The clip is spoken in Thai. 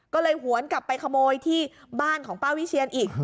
ก็เลยหวนกลับไปขโมยที่บ้านของป้าวิเชียนอีก